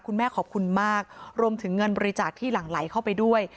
ขอบคุณมากรวมถึงเงินบริจาคที่หลั่งไหลเข้าไปด้วย